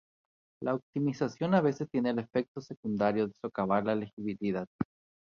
La optimización a veces tiene el efecto secundario de socavar la legibilidad.